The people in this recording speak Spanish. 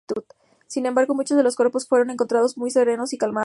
Sin embargo, muchos de los cuerpos fueron encontrados muy serenos y calmados.